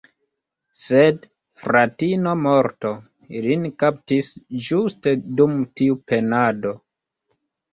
Sed "fratino morto" lin kaptis ĝuste dum tiu penado.